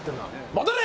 戻れ！